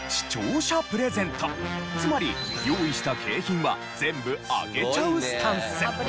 つまり用意した景品は全部あげちゃうスタンス。